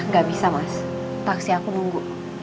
gak bisa mas taksi aku nunggu